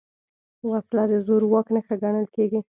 وسله د زور واک نښه ګڼل کېږي